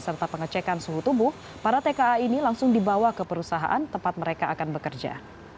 serta pengecekan suhu tubuh para tka ini langsung dibawa ke perusahaan tempat mereka akan bekerja